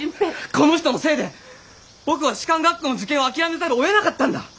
この人のせいで僕は士官学校の受験を諦めざるをえなかったんだ！